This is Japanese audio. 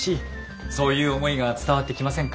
そういう思いが伝わってきませんか？